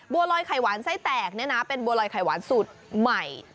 บัวรอยไขว้นไส้แตกนี่นะเป็นบัวรอยไขว้นสูตรใหม่